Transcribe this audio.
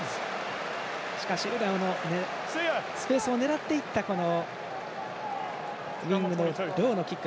しかし、スペースを狙っていったウイングのロウのキック。